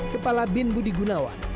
kepala bin budi gunawan